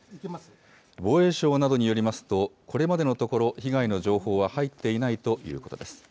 防衛省などによりますと、これまでのところ被害の情報は入っていないということです。